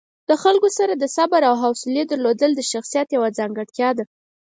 د خلکو سره د صبر او حوصلې درلودل د شخصیت یوه ځانګړتیا ده.